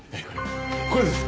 これです！